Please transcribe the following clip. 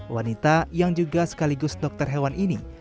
wanita yang juga sekaligus dokter hewan ini